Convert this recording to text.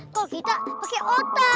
kalau kita pake otot